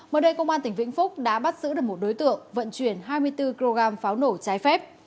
mới đây công an tỉnh vĩnh phúc đã bắt giữ được một đối tượng vận chuyển hai mươi bốn kg pháo nổ trái phép